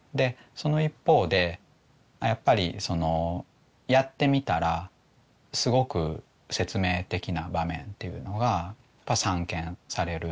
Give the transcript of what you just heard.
その一方でやっぱりやってみたらすごく説明的な場面っていうのがやっぱ散見される。